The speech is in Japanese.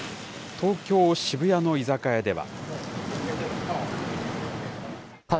東京・渋谷の居酒屋では。